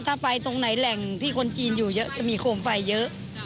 ถ้าไปตรงไหนแหล่งที่คนจีนอยู่เยอะจะมีโคมไฟเยอะ